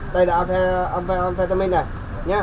đây là amphetamine này